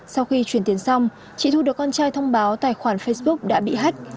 sau khi chuyển tiền xong chị thu được con trai thông báo tài khoản facebook đã bị hách